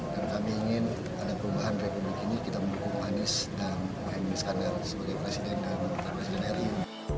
dan kami ingin dalam perubahan republik ini kita mendukung anies dan pak emelie skandar sebagai presiden dan presiden ru